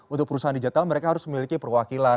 untuk perusahaan digital mereka harus memiliki perwakilan